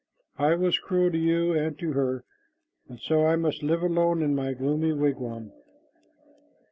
I was cruel to you and to her, and so I must live alone in my gloomy wigwam."